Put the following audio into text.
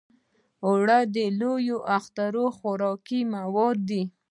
اوړه د لوی اختر خوراکي مواد دي